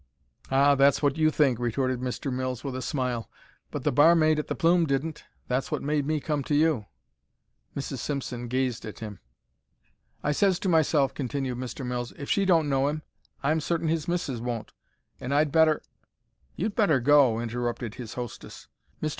"Ah, that's what you think," retorted Mr. Mills, with a smile; "but the barmaid at the Plume didn't. That's what made me come to you." Mrs. Simpson gazed at him. "I says to myself," continued Mr. Mills, "'If she don't know him, I'm certain his missis won't, and I'd better——'" "You'd better go," interrupted his hostess. Mr.